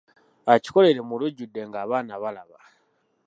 Akikolera mu lujjudde ng'abaana balaba.